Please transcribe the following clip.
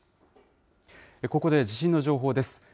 ここで地震の情報です。